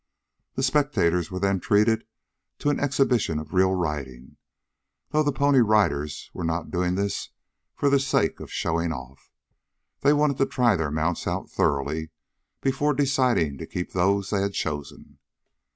The spectators were then treated to an exhibition of real riding, though the Pony Riders were not doing this for the sake of showing off. They wanted to try their mounts out thoroughly before deciding to keep those they had chosen.